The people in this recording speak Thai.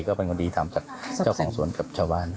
ก็เป็นคนดีทำจากเจ้าของสวนกับชาวบ้าน